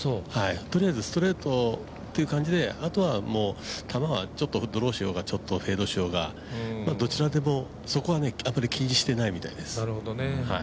とりあえずストレートっていう感じであとは玉がちょっとドローしようがちょっとフェードしようが、どちらでもそこはあまり気にしてないみたいです。